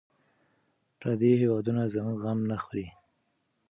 پردي هېوادونه زموږ غم نه خوري.